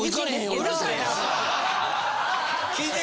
うるさいな！